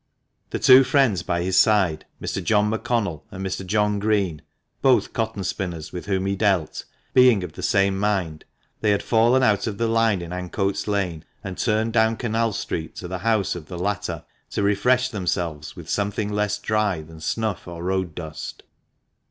The two friends by his side, Mr. John McConnell and Mr. John Green (both cotton spinners with whom he dealt), being of the same mind, they had fallen out of the line in Ancoats Lane, and turned down Canal Street to the house of the latter, to refresh themselves with something less dry than snuff or road dust.